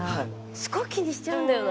すごい気にしちゃうんだよな。